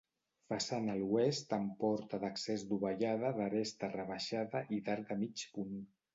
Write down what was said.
Façana a l'oest amb porta d'accés dovellada d'aresta rebaixada i d'arc de mig punt.